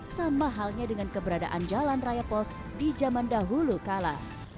sama halnya dengan keberadaan jalan raya pos di zaman dahulu kala